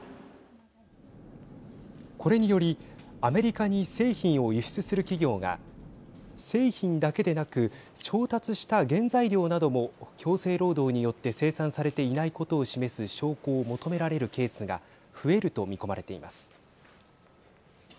これによりアメリカに製品を輸出する企業が製品だけでなく調達した原材料なども強制労働によって生産されていないことを示す証拠を求められるケースが増えると見込まれています。